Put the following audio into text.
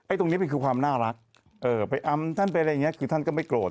ตรงนี้มันคือความน่ารักไปอำท่านไปอะไรอย่างนี้คือท่านก็ไม่โกรธ